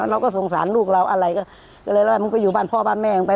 เราก็สงสารลูกเราอะไรก็เลยไล่มึงก็อยู่บ้านพ่อบ้านแม่มึงไป